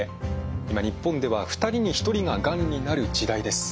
今日本では２人に１人ががんになる時代です。